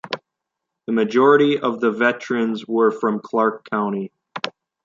The majority of the veterans were from Clark County.